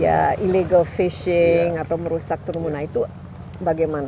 ya illegal fishing atau merusak turun temurun